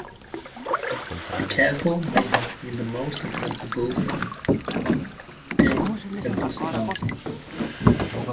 The castle may have been the most important building on Eday at this time.